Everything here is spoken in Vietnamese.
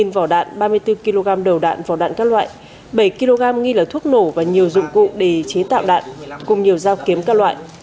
một vỏ đạn ba mươi bốn kg đầu đạn vỏ đạn các loại bảy kg nghi là thuốc nổ và nhiều dụng cụ để chế tạo đạn cùng nhiều dao kiếm các loại